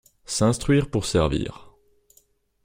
S'instruire pour servir